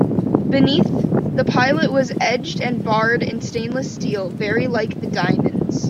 Beneath, the pilot was edged and barred in stainless steel, very like the "Diamond's".